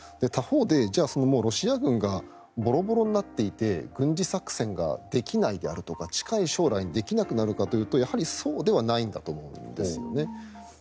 他方で、じゃあロシア軍がボロボロになっていて軍事作戦ができないであるとか近い将来できなくなるかというとそうではないんだと思うんですよね。